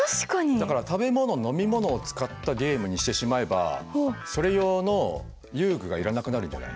だから食べ物飲み物を使ったゲームにしてしまえばそれ用の遊具がいらなくなるんじゃない？